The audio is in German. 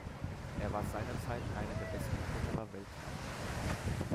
Er war seinerzeit einer der besten Kletterer weltweit.